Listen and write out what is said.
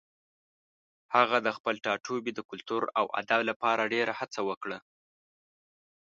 هغه د خپل ټاټوبي د کلتور او ادب لپاره ډېره هڅه وکړه.